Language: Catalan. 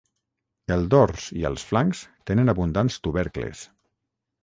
El dors i els flancs tenen abundants tubercles.